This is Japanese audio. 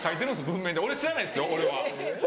文面で俺知らないですよ俺は。